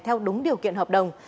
theo đúng điều kiện hợp đồng